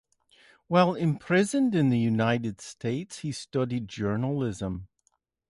While imprisoned in the United States, he studied journalism.